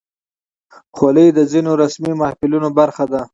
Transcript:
خولۍ د ځینو رسمي محفلونو برخه ده.